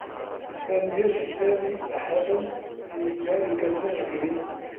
لم يجد سامي أحد في ذلك المنزل.